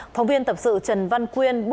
phóng viên tập sự trần văn quyên